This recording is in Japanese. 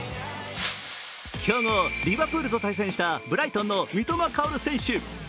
強豪・リヴァプールと対戦したブライトンの三笘薫選手。